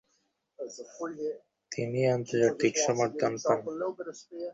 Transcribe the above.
তিনি আন্তর্জাতিক সমর্থন পান।